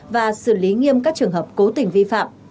và xử lý nghiêm các trường hợp cố tình vi phạm